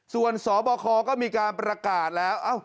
ส่วนสบคก็มีการประกาศแล้ว